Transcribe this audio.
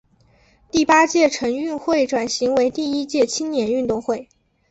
第八届城运会转型为第一届青年运动会。